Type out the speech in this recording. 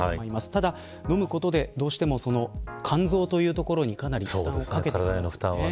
ただ飲むことで、どうしても肝臓というところにかなり負担をかけていますよね。